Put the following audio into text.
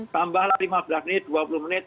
tambahlah lima belas menit dua puluh menit